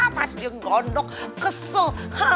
pas dia gondok kesel